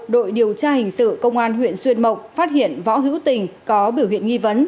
đội điều tra hình sự công an huyện xuyên mộc phát hiện võ hữu tình có biểu hiện nghi vấn